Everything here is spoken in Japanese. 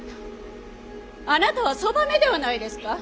あなたはそばめではないですか。